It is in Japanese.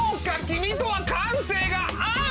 君とは感性が合う！